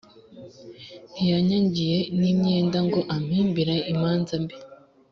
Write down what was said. Ntiyanyagiye n'imyenda ngo ampimbire imanza mbi